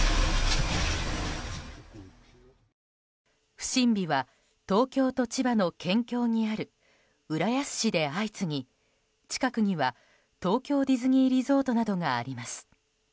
不審火は、東京と千葉の県境にある浦安市で相次ぎ近くには東京ディズニーリゾートなどがあります。